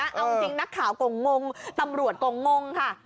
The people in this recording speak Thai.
เอาจริงนักข่าวก็งงตำรวจก็งงค่ะ